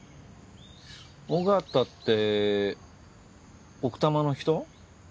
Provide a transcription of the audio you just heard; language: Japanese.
緒方って奥多摩の人？